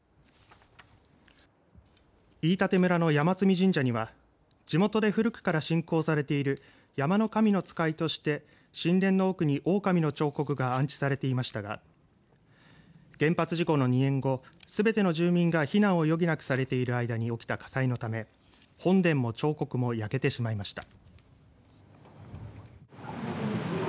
飯舘村の山津見神社には地元で古くから信仰されている山の神の使いとして神殿の奥におおかみの彫刻が安置されていましたが全原発事故の２年後すべての住民が避難を余儀なくされている間に起きた火災のため本殿も彫刻も焼けてしまいました。